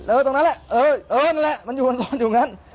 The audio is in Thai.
ตรงนั้นแหละเออเออนั่นแหละมันอยู่นอนอยู่งั้น